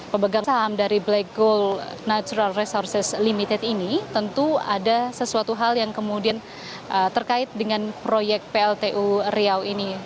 pemegang saham dari black gold natural resources limited ini tentu ada sesuatu hal yang kemudian terkait dengan proyek pltu riau ini